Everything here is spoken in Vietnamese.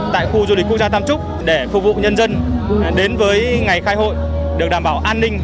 tại khu du lịch quốc gia tam trúc để phục vụ nhân dân đến với ngày khai hội được đảm bảo an ninh